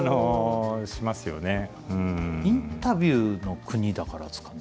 インタビューの国だからっすかね。